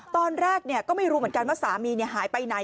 ตอนแรกก็ไม่รู้เหมือนกันว่าสามีหายไปไหน